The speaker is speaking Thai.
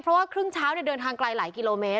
เพราะว่าครึ่งเช้าเดินทางไกลหลายกิโลเมตร